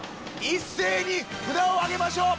一斉に札を上げましょう。